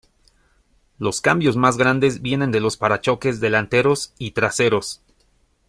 Los cambios más grandes vienen de los parachoques delanteros y traseros.